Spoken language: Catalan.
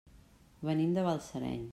Venim de Balsareny.